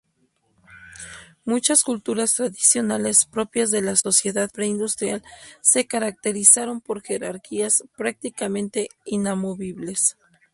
Muchas culturas tradicionales propias de la sociedad preindustrial se caracterizaron por jerarquías prácticamente inamovibles.